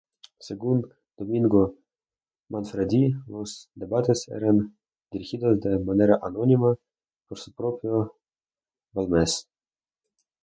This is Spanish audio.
Según Domingo Manfredi, los debates eran dirigidos de manera anónima por el propio Balmes.